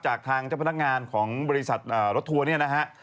จากทางเจ้าพนักงานของบริษัทรถทัวร์เนี่ยนะฮะ